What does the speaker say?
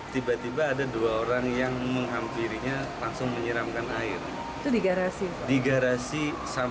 tiba tiba ada dua orang yang menghampirinya langsung menyeram